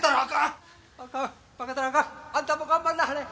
あんたも頑張んなはれ！